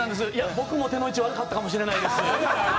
僕も手の位置、悪かったかもしれないです。